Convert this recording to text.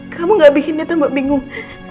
kamu gak bikin dia tambah bingung